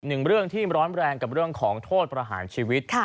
หนึ่งเรื่องที่ร้อนแรงกับเรื่องของโทษประหารชีวิต